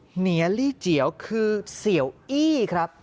เหนียลี่เจียวคือเสียวอี้ครับ